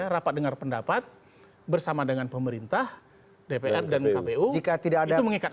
rapat dengar pendapat bersama dengan pemerintah dpr dan kpu